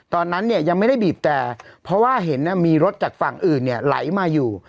ตอนนั้นเนี่ยยังไม่ได้บีบแต่เพราะว่าเห็นมีรถจากฝั่งอื่นเนี่ยไหลมาอยู่